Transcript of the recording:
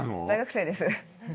大学生です。